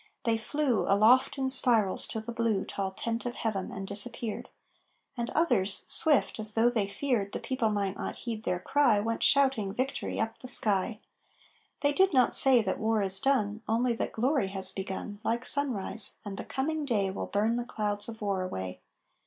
They flew Aloft in spirals to the blue Tall tent of heaven and disappeared. And others, swift as though they feared The people might not heed their cry Went shouting VICTORY up the sky. They did not say that war is done, Only that glory has begun Like sunrise, and the coming day Will burn the clouds of war away.